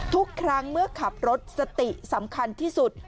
ทุกครั้งเมื่อขับรถสติสำคัญที่สุด